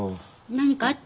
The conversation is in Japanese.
何かあった？